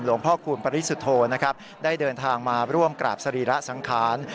หลวงพ่อคุณปริสุทธโธได้เดินทางมาร่วมกราบสรีระสังคาร